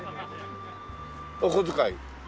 お小遣い。